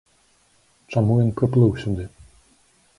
Чаму ён прыплыў сюды?